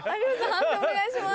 判定お願いします。